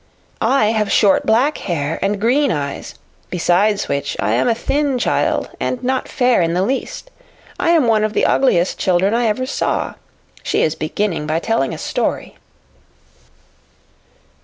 I have short black hair and green eyes; besides which, I am a thin child and not fair in the least. I am one of the ugliest children I ever saw. She is beginning by telling a story."